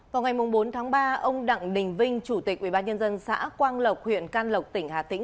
vào ngày bốn tháng ba ông đặng đình vinh chủ tịch ubnd xã quang lộc huyện can lộc tỉnh hà tĩnh